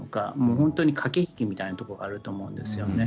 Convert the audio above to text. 本当に駆け引きみたいなところがあると思うんですね。